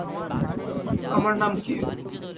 আমার নাম কী?